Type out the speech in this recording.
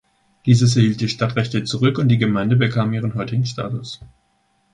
Dieses erhielt die Stadtrechte zurück und die Gemeinde bekam ihren heutigen Status.